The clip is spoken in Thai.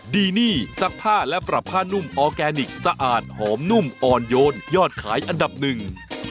ดีนี่ซักผ้าและปรับผ้านุ่มออร์แกนิคสะอาดหอมนุ่มอ่อนโยนยอดขายอันดับหนึ่ง